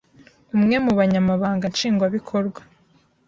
Umwe mu Banyamabanga nshingwabikorwa